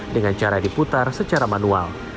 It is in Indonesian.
dengan cara diputar secara manual